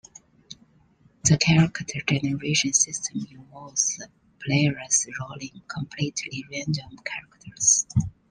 The character generation system involves players rolling completely random characters.